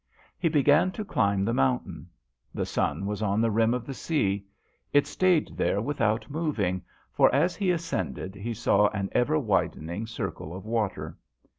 He began to climb the moun tain. The sun was on the rim of the sea. It stayed there with out moving, for as he ascended he saw an ever widening circle of water.